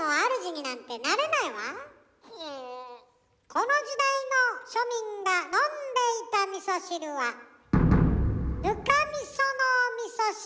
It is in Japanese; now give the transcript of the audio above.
この時代の庶民が飲んでいた味噌汁は糠味噌のお味噌汁。